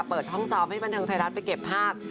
เปิดห้องซ้อมให้บันเทิงไทยรัฐไปเก็บภาพ